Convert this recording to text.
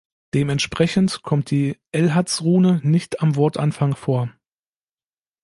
Dementsprechend kommt die Elhaz-Rune nicht am Wortanfang vor.